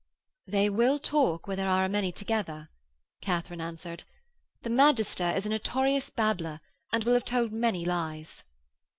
'They will talk where there are a many together,' Katharine answered; 'the magister is a notorious babbler and will have told many lies.'